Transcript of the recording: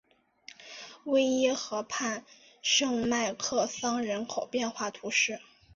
维耶河畔圣迈克桑人口变化图示